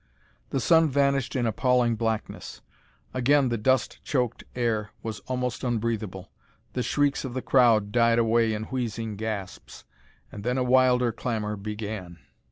The sun vanished in appalling blackness. Again the dust choked air was almost unbreathable. The shrieks of the crowd died away in wheezing gasps; and then a wilder clamor began.